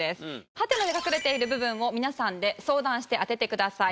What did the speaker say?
ハテナで隠れている部分を皆さんで相談して当ててください。